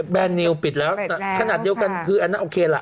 แนนนิวปิดแล้วแต่ขนาดเดียวกันคืออันนั้นโอเคล่ะ